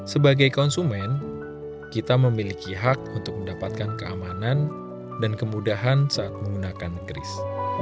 sebagai konsumen kita memiliki hak untuk mendapatkan keamanan dan kemudahan saat menggunakan gris